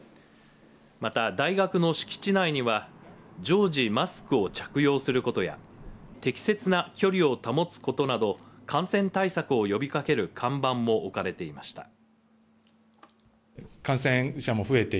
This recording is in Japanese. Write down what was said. また、大学の敷地内には常時マスクを着用することや適切な距離を保つことなど感染対策を呼びかける看板も置かれていました。